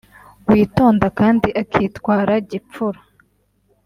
witonda kandi akitwara gipfura